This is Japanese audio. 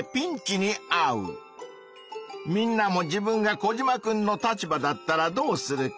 みんなも自分がコジマくんの立場だったらどうするか？